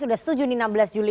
sudah setuju nih enam belas juli